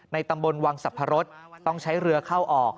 ตำบลวังสรรพรสต้องใช้เรือเข้าออก